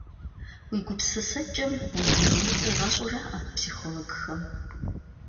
Уи гупсысэкӏэм уи дунейр къигъэщӏу жаӏэ психологхэм.